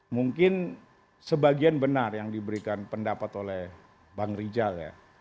mungkin sebagian benar yang diberikan pendapat oleh bang rijal ya